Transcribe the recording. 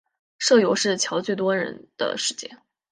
社游是乔最多人的时间